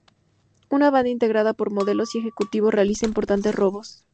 Una banda integrada por modelos y ejecutivos realiza importantes robos.